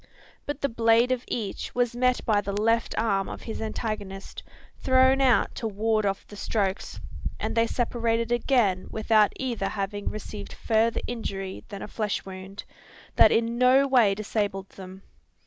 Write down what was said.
But the blade of each was met by the left arm of his antagonist, thrown out to ward off the strokes and they separated again without either having received further injury than a flesh wound, that in no way disabled them.